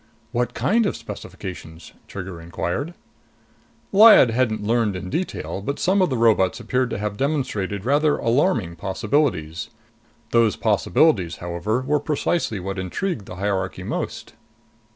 "What kind of specifications?" Trigger inquired. Lyad hadn't learned in detail, but some of the robots appeared to have demonstrated rather alarming possibilities. Those possibilities, however, were precisely what intrigued the hierarchy most.